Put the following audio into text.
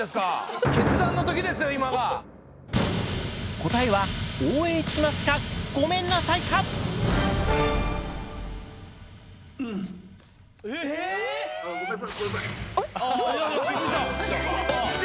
答えは「応援します」か「ごめんなさい」か⁉え⁉びっくりした。